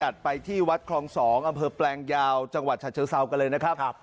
ไปที่วัดคลอง๒อำเภอแปลงยาวจังหวัดฉะเชิงเซากันเลยนะครับ